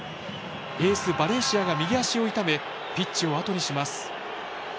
エース、バレンシアが右足を痛めピッチを後にします。